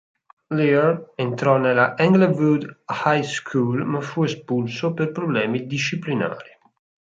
Lear entrò nella Englewood High School ma fu espulso per problemi disciplinari.